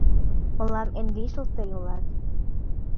Мылам эн лишыл тый улат.